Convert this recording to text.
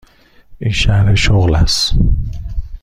این شرح شغل است.